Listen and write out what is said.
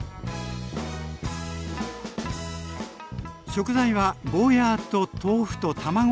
食材はゴーヤーと豆腐と卵だけ。